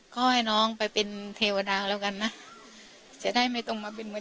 ก็ให้น้องไปเป็นเทวดาวก่อนน่ะเจอได้ไม่ต้องมาเป็นมี